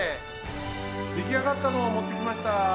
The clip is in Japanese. できあがったのをもってきました。